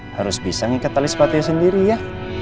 harus bisa ngikat tali sepatu sendiri ya